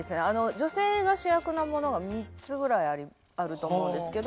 女性が主役のものが３つぐらいあると思うんですけど。